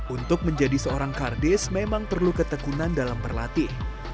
untuk menjadi seorang kardis memang perlu ketekunan dalam berlatih